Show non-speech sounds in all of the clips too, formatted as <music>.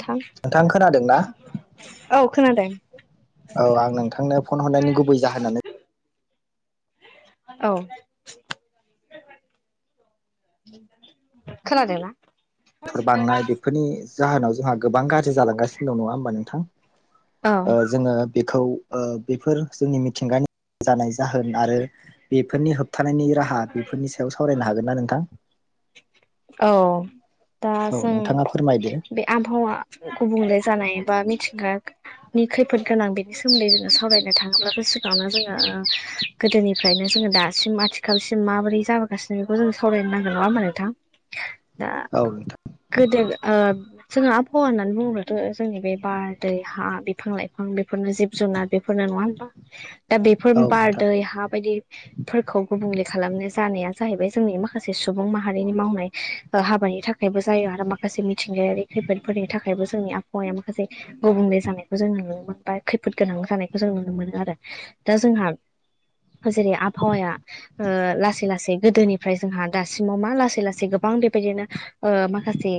थां नोंथां खोनादों ना? औ खोनादों औ आं नोंथांनो फन हरनायनि गुबै जाहोनानै औ खोनादोंना मटर बांनाय बेफोरनि जाहोनाव जोंहा गोबां गाज्रि जालांगासिनो दं नङा होमबा नोंथां औ ओ जोङो बेखौ ओ बेफोर जोंनि मिथिंगानि जानाय जाहोन आरो बेफोरनि हो बथानायनि राहा बेफोरनि सायाव सावरायनो हागोन ना नोंथां औ दा औ जों नोंथाङा फोरमायदो बे आबहावा गुबुंले जानाय बा मिथिंगा नि खैफोद गोनां बेनि सोमोन्दै जोङो सावरायनो थाङोब्लाबो सिगाङावनो जोङो ओ गोदोनिफ्रायनो जोङो दासिम आथिखालसिम माबोरै जाबोगासिनो बेखौ जों सावरायनो नांगोन नङा होमबा नोंथां दा औ नोंथां गोदो ओ जोङो आबहावा होननानै बुङोथ' जोंनि बे बार दै हा बिफां लाइफां बेफोरनो जिब जुनार बे फोरनो नङा होनबा दा बेफोर औ बार नोंथां दै हा बायदि फोरखौ गुबुंले खालामनो जानाया जाहैबाय जोंनि माखासे सुबुं माहारिनि मावनायनि हाबानि थाखायबो जायो आरो माखासे मिथिंगायारि खैफोदफोरनि थाखायबो जोंनि आबहावाया माखासे गुबुंले जानायखौ जों नुनो मोनो बा खैफोद गोनां जानायखौ जों नुनो मोनो आरो दा जोंहा जेरै आबहावाया ओ लासै लासै गोदोनिफ्राय जोंहा दासिमाव मा लासै लासै गोबां बेबायदिनो ओ माखासे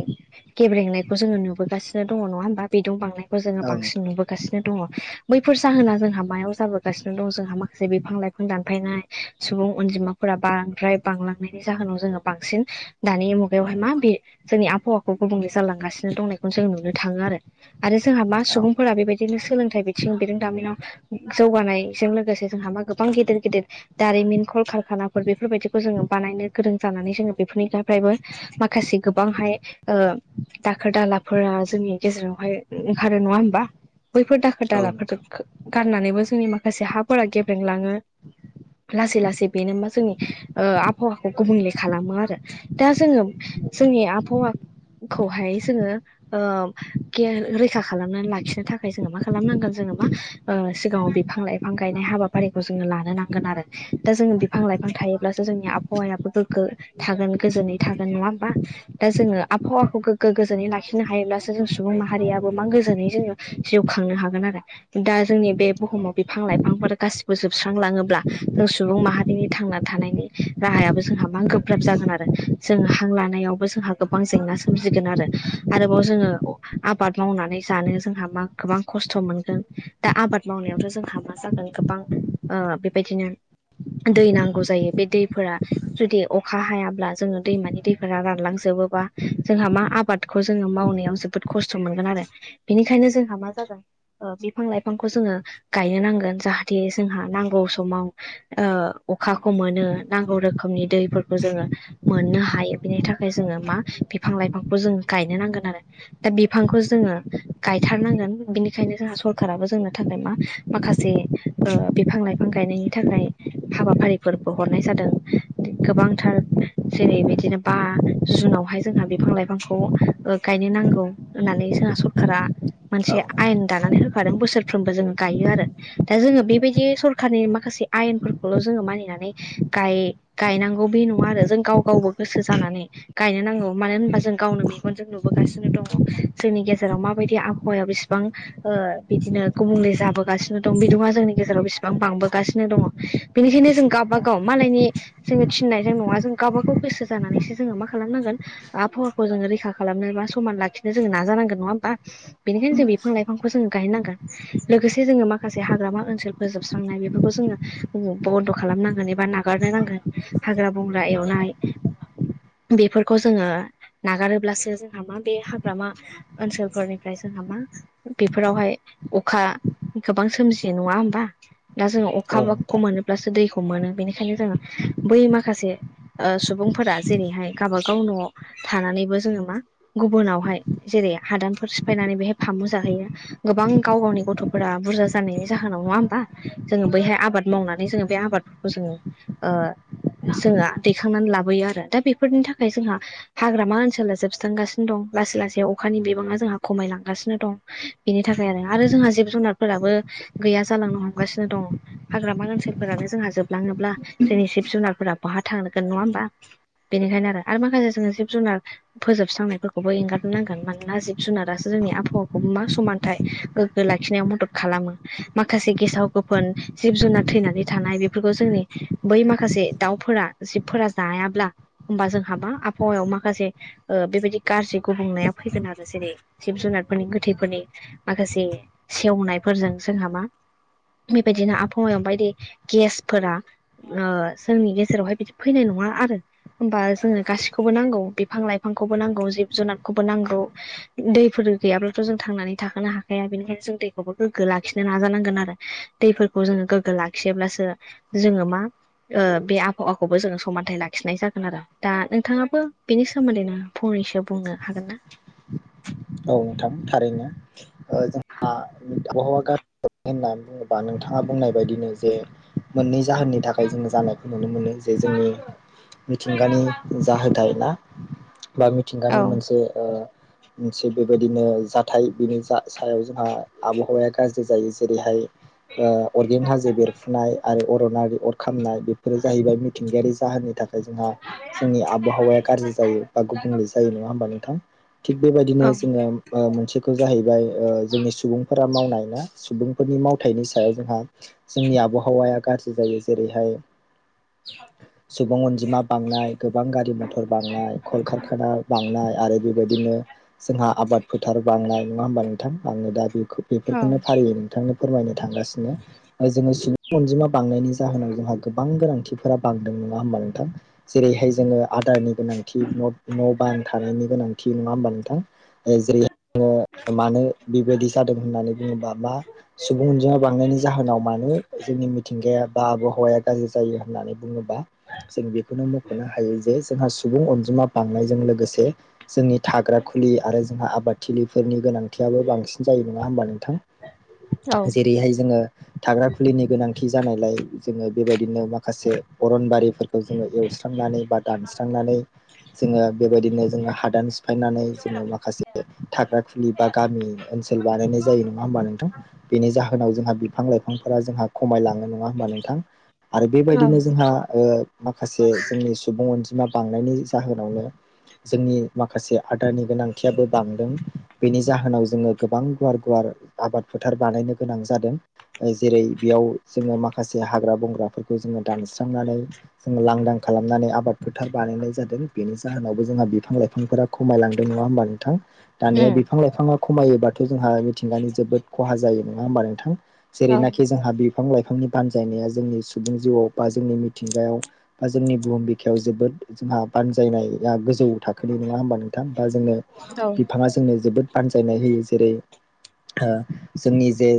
गेब्रेंनायखौ जोङो नुबोगासिनो दङ नङा होमबा बिदुं बांनायखौ जोङो औ बांसिन नोंथां नुबो सिनो दङ बैफोर जाहोना जोंहा मायाव जाबोगासिनो दं जोंहा माखासे बिफां-लाइफां दानफायनाय सुबुं अनजिमाफोरा बांद्राय बांलांनायनि जाहोनाव जोङो बांसिन दानि मुगायावहाय मा बे जोंनि आबहावाखौ गुबुंले जालांगासिनो दंनायखौनो जों नुनो थाङो आरो। आरो जोंहा मा औ नोंथां औ नोंथां सुबुंफोरा बेबायदिनो सोलोंथाइ बिथिं बिरोंदामिनाव जौगानायजों लोगोसे जोंहा मा गोबां गिदिर गिदिर दारिमिन कल कारखानाफोर बेफोरबायदिखौ जोङो बानायनो गोरों जानानै जोङो बेफोरनि गाब फ्रायबो माखासे गोबांहाय ओ दाखोर दालाफोरा जोंनि गेजेरावहाय ओंखारो नङा होनबा बैफोर दाखोर औ नोंथां दालाफोरजों गारनानैबो जोंनि माखासे हाफोरा गेब्रेंलाङो लासै लासै बेनो मा जोंनि ओ आबहावाखौ गुबुंले खालामो आरो दा जोङो जोंनि आबहावाखौहाय जोङो ओ रैखा खालामनानै लाखिनो थाखाय जोङो मा खालामनांगोन जोङो मा ओ सिगाङाव बिफां-लाइफां गायनाय हाबाफारिखौ जोङो लानो नांगोन आरो। दा जोङो बिफां-लाइफां थायोब्लासो जोंनि आबहावायाबो गोग्गो थागोन गोजोनै थागोन। नङा होमबा? दा जोङो आबहावाखौ गोग्गो गोजोनै लाखिनो हायोब्लासो जों सुबुं माहारियाबो मा गोजोनै जोङो जिउ खांनो हागोन आरो दा जोंनि बे बुहुमाव बिफां-लाइफांफोर गासिबो जोबस्रांलाङोब्ला जों सुबुं माहारिनि थांना थानायनि राहायाबो जोंहा मा गोब्राब जागोन आरो। जोङो हां लानायावबो जोंहा गोबां जेंना सोमजिगोन आरो आरोबाव जोङो आबाद मावनानै जानो जोंहा मा गोबां खस्थ' मोनगोन। दा आबाद मावनायावथ' जोंहा मा जागोन गोबां ओ बेबायदिनो दै नांगौ जायो बे दैफोरा जुदि अखा हायाब्ला जोङो दैमानि दैफोरा रानलांजोबोबा जोंहा मा आबादखौ जोङो मावनायाव जोबोद खस्थ' मोनगोन आरो बेनिखायनो जोंहा मा जागोन ओ बिफां-लाइफांखौ जोङो गायनो नांगोन जाहाथे जोंहा नांगौ समाव ओ अखाखौ मोनो नांगौ रोखोमनि दैफोरखौ जोङो मोननो हायो बिनि थाखाय जोङो मा बिफां-लाइफांखौ जों गायनो नांगोन आरो। दा बिफांखौ जोङो गायथारनांगोन बिनिखायनो जोंहा सरखाराबो जोंनो थाखाय मा माखासे ओ बिफां-लाइफां गायनायनि थाखाय हाबाफारिफोरबो हरनाय जादों। गोबांथार जेरै बिदिनो बा जुनावहाय जोंहा बिफां-लाइफांखौ ओ गायनो नांगौ होननानै जोंहा सरखारा औ मोनसे नोंथां औ आयेन दानानै होखादों बोसोरफ्रोमबो जोङो गायो आरो। दा जोङो बेबायदि सरखारनि माखासे आयेनफोरखौल' जोङो मानिनानै गाय गायनांगौ बे नङा आरो। जों गाव गावबो गोसो जानानै गायनो नांगौ मानो होनबा जों गावनो मेगनजों नुबोगासिनो दङ। जोंनि गेजेराव माबायदि आबहावायाव बेसिबां ओ बिदिनो गुबुंले जाबोगासिनो दं बिदुङा जोंनि गेजेराव बिसिबां बांबोगासिनो दङ बेनिखायनो जों गावबा गाव मालायनि जोङो थिननायजों नङा जों गावबा गाव गोसो जानानैसो जोङो मा खालामनांगोन आबहावाखौ जोङो रैखा खालामनो बा समान लाखिनो जोङो नाजानांगोन। नङा होमबा? बेनिखायनो जों बे बिफां-लाइफांखौ जोंङो गायनो नांगोन। लोगोसे जोङो माखासे हाग्रामा ओनसोल फोजोबस्रांनाय बेफोरखौ जोङो बन्द' खालामनांगोन एबा नागारनो नांगोन हाग्रा-बंग्रा एवनाय बेफोरखौ जोङो नागारोब्लासो जोंहा मा बे हाग्रामा ओनसोलफोरनिफ्राय जोंहा मा बेफोरावहाय अखा गोबां सोमजियो। नङा होमबा? दा जोङो अखाखौ मोनोब्लासो दैखौ मोनो बेनिखायनो जोङो बै माखासे ओ सुबुंफोरा जेरैहाय गावबा गाव न'आव थानानैबो जोङो मा गुबुनावहाय जेरै हादानफोर सिफायनानै बेहाय फामु जाहैयो गोबां गाव गावनि गथ'फोरा बुरजा जानायनि जाहोनाव। नङा होमबा? जोंङो बैहाय आबाद मावनानै जोंङो बे आबादफोरखौ जोंङो ओ जोंङा दैखांनानै लाबोयो आरो दा बेफोरनि थाखाय जोंहा हाग्रामा ओनसोला जोबस्रांगासिनो दं लासै लासै अखानि बिबांङा जोंहा खमायलांगासिनो दं बेनि थाखाय आरो आरो जोंहा जिब जुनारफोराबो गैया जालांनो हमगासिनो दंङ। हाग्रामा ओनसोलफोरानो जोंहा जोबलांङोब्ला जोंनि जिब जुनारफोरा बहा थांनांगोन नंङा होमबा। बेनिखायनो आरो आरो माखासे जोंङो जिब जुनार फोजोबस्रांनायफोरखौबो एंगार नांगोन मानोना जिब-जुनारासो जोंनि आबहावाखौबो मा समानथाय गोग्गो लाखिनायाव मदद खालामो। माखासे गेसाव गोफोन जिब-जुनार थैनानै थानाय बेफोरखौ जोंनि बै माखासे दाउफोरा जिबफोरा जायाब्ला होमबा जोंहा मा आबहावायाव माखासे ओ बेबायदि गाज्रि गुबुंनाया फैगोन आरो जेरै जिब-जुनारफोरनि गोथैफोरनि माखासे सेवनायफोरजों जोंहा मा बेबायदिनो आबहावं बायदि गेसफोरा ओ जोंनि गेजेरावहाय बिदि फैनाय नंङा आरो होमबा जोङनो गासिखौबो नांगौ बे बिफां लाइफांखौबो नांगौ जिब जुनारखौबो नांगौ दैफोर गैयाब्लाथ' जों थांनानै थाखोनो हाखाया बेनिखायनो जों दैखौबो गोग्गो लाखिनो नाजानांगोन आरो दैफोरखौ जोंङो गोग्गो लाखियोब्लासो जोंङो मा ओ बे आबहा खौबो जोंङो समानथाइ लाखिनाय जागोन आरो दा नोंथांङाबो बेनि सोमोन्दैनो फंनैसो बुंनो हागोन ना? औ नोंथां थारैनो ओ जोंहा आबहावा गाज्रि होननानै बुंङोबा नोंथांङा बुंनाय बायदिनो जे। मोननै जाहोननि थाखाय जोंङो जानायखौ नुनो मोनो जे जोंनि मिथिंगानि जाहोथाय ना बा औ मिथिंगानि मोनसे ओ मोनसे बेबायदिनो जाथाय बिनि जा सायाव जोंहा आबहावाया गाज्रि जायो जेरैहाय अरगें हाजो बेरफुनाय आरो अरनारि अर खामनाय बेफोरो जाहैबाय मिथिंगायारि जाहोननि थाखाय जोंहा जोंनिघ <unintelligible> आबहावाया गाज्रि जायो बा गुबुंले जायो नङा होमबा नोंथां थिग बेबायदिनो औ जोंङो मोनसेखौ जाहैबाय ओ जोंनि सुबुंफोरा मावनाय ना सुबुंफोरनि माव बेनि फथाइनि सायाव जोंहा जोंनि आबहावाया गाज्रि जायो जेरैहाय सुबुं अनजिमा बांनाय गोबां गारि मथर बांनाय कलकारखाना बांनाय आरो बेबायदिनो जोंहा आबाद फोथार बांनाय नंटंंङा होमबा नोंथां आङो दा बे औ बेफोरखौनो फारियै नों बिथांनो फोरमायनो थांगासिनो जोंङो सुबुं अनजिमा बांनायनि जाहोनाव जोंहा गोबां गोनांथि फोर बांदों नंङा होमबा नोंथां जेरैहाय जोंङो आदारनि गोनांथि न'-न'बां थानायनि गोनांथि नंङा होमबा नोंथां जेरै आंङो मानो बेबायदि जादों होननानै बुंङोबा मा सुबुं अनजिमा बांनायनि जाहोनाव मानो जोंनि मिथिंगाया बा आबहावाया गाज्रि जायो होननानै बुंङोबा जों बेखौनो मख'नो हायो जे जोंहा सुबुं अनजिमा बांनायजों लोगोसे खुलियो आरो जोंहा आबादथिलिफोरनि गोनांथियाबो बांसिन जायो नंङा होमबा नोंथां? औ जेरैहाय जोंङो थाग्रा खुलिनि गोनांथि जानायलाय जोंङो बेबायदिनो माखासे अरनबारिफोर खौ जोंङो एवस्रांनानै बा दानस्रांनानै जोंङो बेबायदिनो जोंङो हादान सिफायनानै जोंङो माखासे थाग्रा खुलि बा गामि ओनसोल बानायनाय जायो नंङा होमबा नोंथां बेनि जाहोनाव जोंहा बिफां लाइफांफोरा जोंहा खमायलाङो नंङा होमबा नोंथां आरो बेबायदिनो जोंहा ओ माखासे जोंनि सुबुं अनजिमा बांनायनि जाहोनावनो जोंनि माखासे गोनांथियाबो बांदों बेनि जाहोनाव जोंङो गोबां गुवार गुवार आबाद फोथार बानायनो गोनां जादों जेरै बेयाव जोंङो माखासे हाग्रा बंग्राफोरखौ जोंङो दानस्रांनानै जोंङो लांदां खालामनानै आबाद फोथार बानायनाय जादों बेनि जाहोनावबो जोंहा बिफां लाइफांफोरा खमायलांदों नंङा होमबा नोंथां दानिया बिफां लाइफांङाव खमायोबथ' जोंहा मिथिंगानि जोबोद खहा जायो नङा होमबा नोंथां औ जेरैनाखि जोंहा बिफां लाइफांनि बानजायनाया जोंनि सुबुं जिउआव बा जोंनि मिथिंगायाव बा जोंनि बुहुम बिखायाव जोबोद जोंहा बानजायनाया गोजौ थाखोनि नङा होमबा नों बा जोंनो बिफाङा जोंनो जोबोद बानजायनाय होयो जेरै ओ जोंनि जे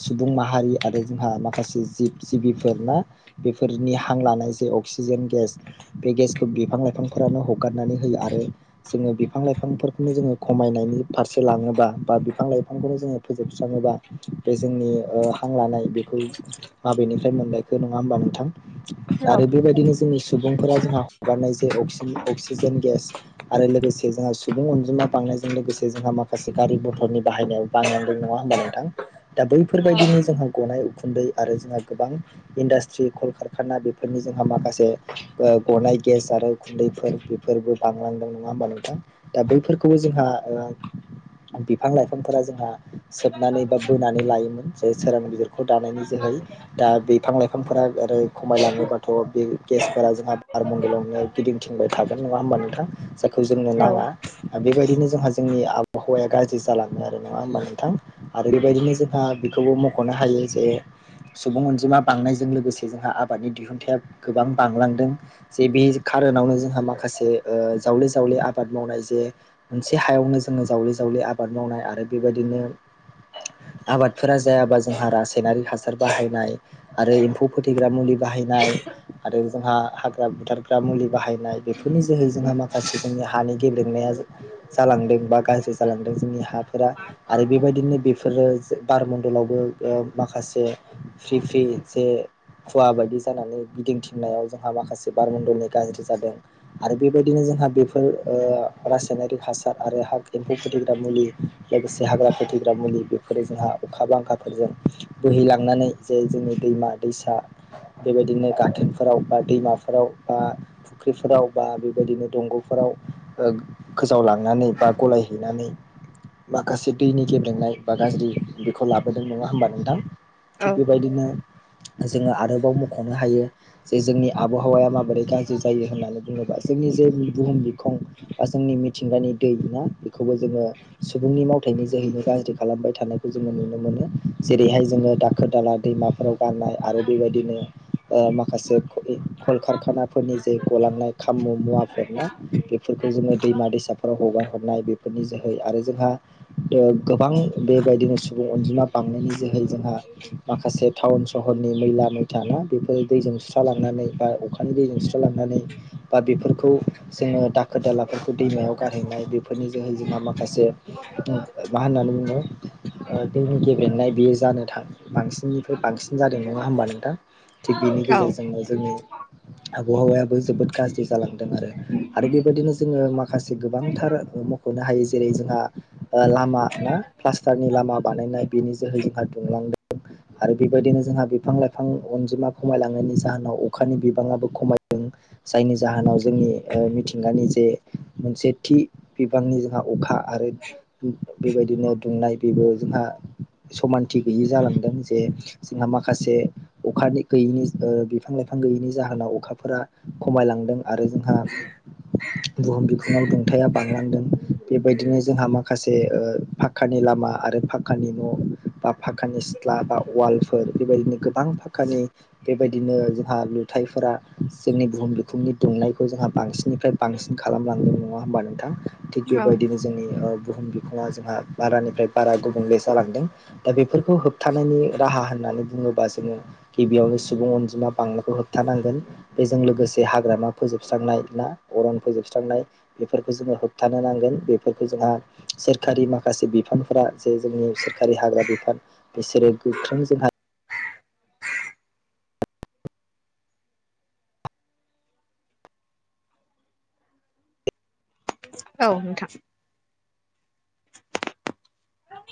सुबुं माहारि आरो जोंहा माखासे जिब जिबिफोरना बेफोरनि हां लानाय जे अक्सिजेन गेस बे गेसखौ बिफां लाइफांफोरानो हगारनानै होयो आरो जोंङो बिफां लाइफांफोरखौनो जोङो खमायनायनि फारसे लांङोबा बा बिफां लाइफांखौनो जोंङो फोजोबस्रांङोबा बे जोंनि ओ हां लानाय बेखौ माबेनिफ्राय मोनलायखौ नङा होमबा नोंथां औ आरो बेबायदिनो जोंडनि सुबुंफोरा जोंहा हगारनाय जे अक्सिजेन गेसौऔौ आरो लोगोसे जोंहा सुबुं अनजिमा बांनायजों लोगोसे जोंहा माखासे गारि मथरनि बाहायनायाव बांलांदों नङा होमबा नोंथां दा औ बैफोरबायदिनि जोंहा गनाय उखुन्दै आरो जोंहा गोबां इन्डास्ट्रि कल कारखाना बेफोरनि जोंहा माखासे ओ गनाय गेस आरो खुन्दैफोर बेफोरबो बांलांदोंमोन नङा होमबा नोंथां दा बैफोरखौबो जोंहा बिफां लाइफांफोरा जोंहा सोबनानै बा बोनानै लायोमोन जे सोरां गिदिरखौ दानायनि जोहै दा बिफां लाइफांफोरा ओरै खमायलाङोबाथ' बे गेसफोरा जोंहा बारमनदलावनो गिदिंथिंबाय थागोन नङा होमबा नोंथा खौ जोंनो औ नाङा औ बेबायदिनो जोंहा जोंनि आबहावाया गाज्रि जालाङो आरो नङा होमबा नोंथां आरो बेबायदिनो जोंहा बेखौबो मख'नो हायो जे सुबुं अनजिमा बांनायजों लोगोसे जोंहा आबादनि दिहुनथायाइा गोबां बांलांदों जे बे खारनावनो जोंहा माखासे ओ जावले जावले आबाद मावनाय जे मोनसे हायावनो जोङो जावले जावले आबाद मावनाय आरो बेबायदिनो आबादफोरा जायाबा जोंहा रासायनारि हासार बाहायनाय आरो एम्फौ फोथैग्रा मुलि बाहायनाय आरो जोंहा हाग्रा बुथारग्रा मुलि बाहायनाय बेफोरनि जोहै जोंहा माखासे गासै जोंनि हानि गेब्लेनाया जालांदों बा गाज्रि जालांदों जोंनि हाफोरा आरो बेबायदिनो बेफोरो बारमण्डलावबो माखासे फ्रि फ्रि जे खुवा बायदि जानानै गिदिंथििननायाव जोंहा माखासे बारमडलनि गाज्रि जादों आरो बेबायदिनो जों हा बेफोर रासायनारिक हासार आरो हा एम्फौ फोदैग्रा मुलि लोगोसे हाग्रा फोथिग्रा मुलि बेफोरो जोंहा अखा बांखाफोरजों बोहैलांनानै जे जोंनि दैमा दैसा बेबायदिनो गाथोनफोराव बा दैमाफोराव बा फुख्रिफोराव बा बेबायदिनो दंग'फोराव गोजावलांनानै बा गलायहैनानै माखासे दैनि गेबेलेनाय बा गाज्रि बेखौ लाबोदों नङा होमबा नोंथां थिग बेबायदिनो जोङो आरोबाव मख'नो हायो जे जोंनि आबहावाया माबोरै गाज्रि जायो होन्नानै बुङोबा जोंनि जे बुहुम बिखं बा जोंनि मिथिंगानि दै ना बेखौबो जोङो सुबुंनि मावथायाइनि जोहैनो गाज्रि खालामबाय थानायखौ जोङो नुनो मोनो जेरैहाय जोङो दाखोर दाला दैमा फोराव गाननाय आरो बेबायदिनो ओ माखासे कलकारखानाफोरनि जे गलांनाय खामु मुवा बेफोरखौ जोङो दैमा दैसाफोराव हगार हरनाय बेफोरनि जोहै आरो जोंहा ओ गोबां बेबायदिनो सुबुं अनजिमा बांनायनि जोहै जोंहा माखासे टाउन सहरनि मैला मैथा ना बेफोर दैजों सुस्र लांनानै बा अखा अखानि दैजों सुस्र लांनानै बा बेफोरखौ जोङो दाखोर दालाफोरखौ दैमायाव गारहैनाय बेफोरनि जोहै जोंहा माखासे मा होननानै बुङो दैनि गेबेनाय बेयो जानो थाङ बांसिननिफ्राय बांसिन जादों नङा होमबा नोंथां थिग बेनि औ औ गेजेरजोंनो जोंनि आबहावायाबो जोबोद गाज्रि जालांदों आरो आरो बेबायदिनो जोङो माखासे गोबांथार मख'नो हायो जेरै जोंहा ओ लामा ना प्लास्टारनि लामा बानायनाय बेनि जोहै जोंहा दुंलांदों। आरो बेबायदिनो जोंहा बिफां लाइफां अनजिमा खमायलांनायनि जाहोनाव अखानि बिबाङाबो खमायदों। जायनि जाहोनाव जोंनि ओ मिथिंगानि जे मोनसे थि बिबांनि जोंहा अखा आरो बेबायदिनो दुंनाय बेबो जोंहा समानथि गैयि जालांदों जे जोंहा माखासे अखानि गैयैनि ओ बिफां लाइफां गैयैनि जाहोनाव अखाफोरा खमायलांदों आरो जोंहा बुहुम बिखुाव दुंथाया बांलांदों बेबायदिनो जोंहा माखासेओ फाखानि लामा आरो फाखानि न' बा फाखानि सिथ्ला बा वालफोर बेबायदिनो गोबां फा खानि बेबायदिनो जोंहा लुथाइफोरा जोंनि बुहुम बिखुंनि दुंनायखौ जोंहा बांसिननिफ्राय बांसिन खालामलांदों नङा होमबा नोंथां। थिग बेबायदिनो जोंनि ओ बुहुम बिखङा जोंहा बारानिफ्राय बारा गुबुंले जालांदों। दा बेफोरखौ होबथानायनि राहा होननानै बुङोबा जोङो गिबियावनो सुबुं अनजिमा बांनायखौ होबथानांगोन। बेजों लोगोसे हाग्रामा फोजोबस्रांनाय <unintelligible> अरन फोजोबस्रांनाय बेफोरखौ जोङो होबथानो नांगोन बेफोरखौ जोंहा सोरखारि माखासे बिफानफोरा जे जोंनि सोरखारि हाग्रा बिफान बिसोरो गोख्रों जोंहा औ नोंथां।